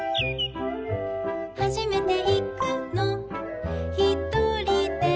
「はじめていくのひとりで」